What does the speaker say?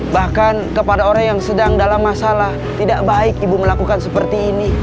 bahkan kepada orang yang sedang dalam masalah tidak baik ibu melakukan seperti ini